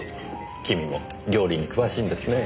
君も料理に詳しいんですねえ。